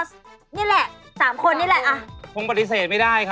สร้างคุณถึงสีแครก